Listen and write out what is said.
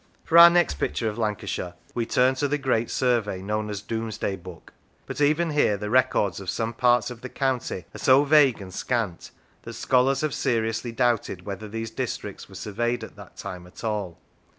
For our next picture of Lancashire we turn to the great survey known as Domesday Book; but even here the records of some parts of the county are so vague and scant, that scholars have seriously doubted whether these districts were surveyed at that time at all.